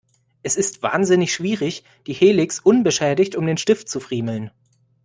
Es ist wahnsinnig schwierig, die Helix unbeschädigt um den Stift zu friemeln.